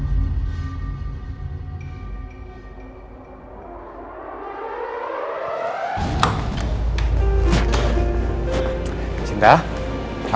aku mau berangkat